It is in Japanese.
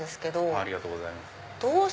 ありがとうございます。